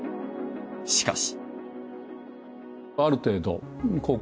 しかし。